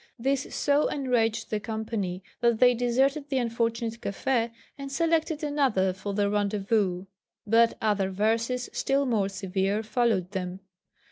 This so enraged the company that they deserted the unfortunate café, and selected another for their rendezvous. But other verses, still more severe, followed them.